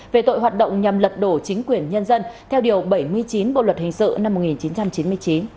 về tội hoạt động nhằm lật đổ chính quyền nhân dân theo điều bảy mươi chín bộ luật hình sự năm một nghìn chín trăm chín mươi chín